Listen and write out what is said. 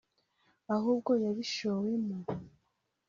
ahubwo yabishowemo